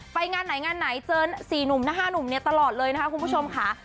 ไปงานไหนเจอ๔๕หนุ่มตลอดเลยคุณผู้ชมคะ